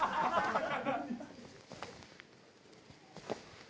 「ハハハハ！」